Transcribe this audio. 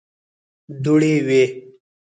دوړې وې.